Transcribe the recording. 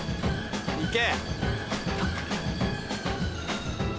行け。